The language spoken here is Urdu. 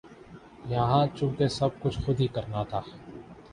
یہاں چونکہ سب کچھ خود ہی کرنا تھا